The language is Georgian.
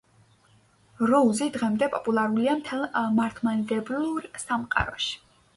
როუზი დღემდე პოპულარულია მთელ მართლმადიდებელ სამყაროში.